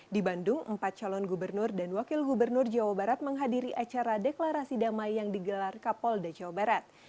di bandung empat calon gubernur dan wakil gubernur jawa barat menghadiri acara deklarasi damai yang digelar kapolda jawa barat